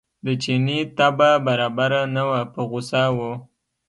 د چیني طبع برابره نه وه په غوسه و.